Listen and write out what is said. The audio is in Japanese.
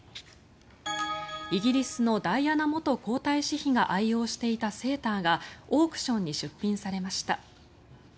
イギリスのダイアナ元皇太子妃が愛用していたセーターがオークションで出品されました。